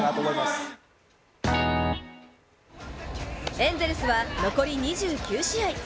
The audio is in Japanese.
エンゼルスは残り２９試合。